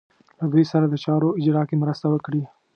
له دوی سره د چارو په اجرا کې مرسته وکړي.